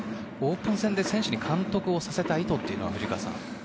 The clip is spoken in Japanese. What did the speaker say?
オープン戦で選手に監督をさせた意図は藤川さん。